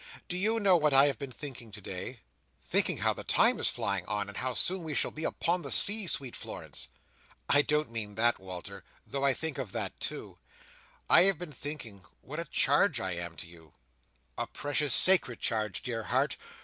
"Do you know what I have been thinking today?" "Thinking how the time is flying on, and how soon we shall be upon the sea, sweet Florence?" "I don't mean that, Walter, though I think of that too. I have been thinking what a charge I am to you." "A precious, sacred charge, dear heart!